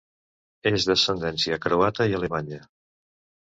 És d'ascendència croata i alemanya.